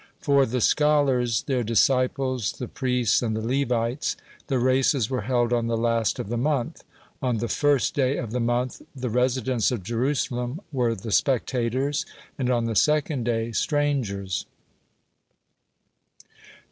For the scholars, their disciples, the priests, and the Levites, the races were held on the last of the month; on the first day of the month the residents of Jerusalem were the spectators, and, on the second day, strangers.